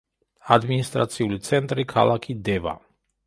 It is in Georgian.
ადმინისტრაციული ცენტრი ქალაქი დევა.